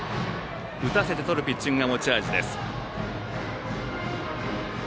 打たせてとるピッチングが持ち味です。